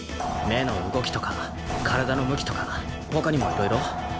目の動きとか体の向きとか他にもいろいろ。